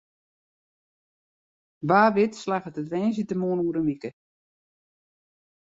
Wa wit slagget it woansdeitemoarn oer in wike.